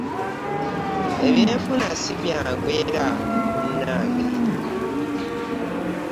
Ebyenfuna sibyangu era munange .